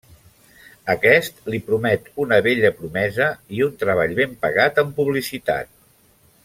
Aquest li promet una bella promesa i un treball ben pagat en publicitat.